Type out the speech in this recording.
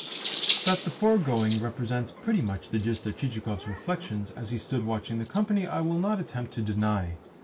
That the foregoing represents pretty much the gist of Chichikov's reflections as he stood watching the company I will not attempt to deny.